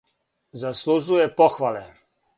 Заслужује похвале.